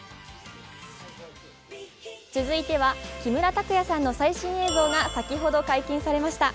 続いては木村拓哉さんの最新映像が先ほど解禁されました。